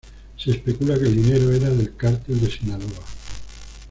Se especula que el dinero era del Cartel de Sinaloa.